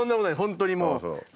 本当にもう。